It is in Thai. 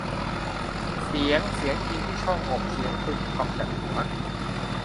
เสียง เสียงจริงที่ช่องอก เสียงพึมพำจากหัว